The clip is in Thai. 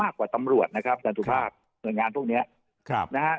มากกว่าตำรวจธันตุภัพธ์ส่วนงานพวกเนี่ยนะฮะ